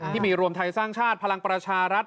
รวมไทยสร้างชาติพลังประชารัฐ